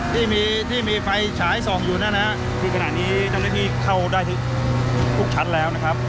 ที่มีที่มีไฟฉายส่องอยู่นั่นนะฮะคือขณะนี้เจ้าหน้าที่เข้าได้ทุกชั้นแล้วนะครับ